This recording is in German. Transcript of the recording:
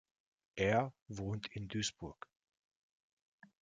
Er wohnt in Duisburg.